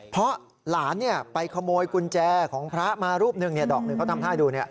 เพราะหลานไปขโมยกุญแจของพระมารูปหนึ่งดอกหนึ่งเขาทำท่าให้ดู